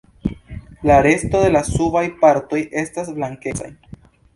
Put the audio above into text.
La resto de la subaj partoj estas blankecaj.